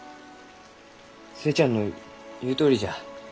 寿恵ちゃんの言うとおりじゃ。